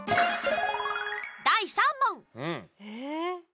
第３問！